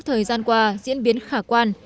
thời gian qua diễn biến khả quan